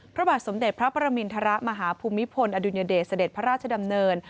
พระบาทสมเด็จพระประมินทรมาฮภูมิพลอดุญเดชเสด็จพระราชดำเนิน